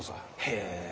へえ。